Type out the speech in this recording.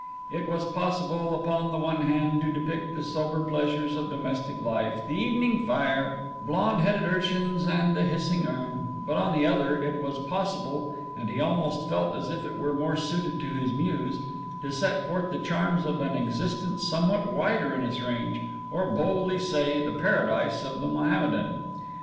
It was possible, upon the one hand, to depict the sober pleasures of domestic life, the evening fire, blond headed urchins and the hissing urn; but on the other, it was possible (and he almost felt as if it were more suited to his muse) to set forth the charms of an existence somewhat wider in its range or, boldly say, the paradise of the Mohammedan.